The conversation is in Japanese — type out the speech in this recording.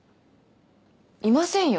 いませんよ